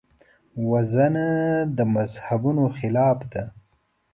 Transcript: وژنه د مذهبونو خلاف ده